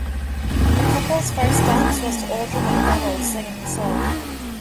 The couple's first dance was to Audra McDonald singing the song.